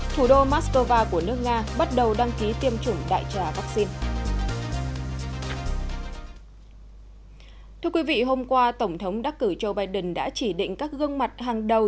thưa quý vị hôm qua tổng thống đắc cử joe biden đã chỉ định các gương mặt hàng đầu